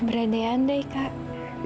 berada yang andai kak